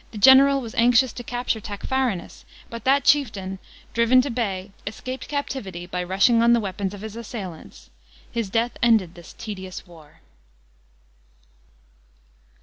CHAP, xtt general was anxious to capture Tacfarinas, but that chieftain, driven to bay, escaped captivity by rushing on the weapons of his assailants. His death ended this tedious war.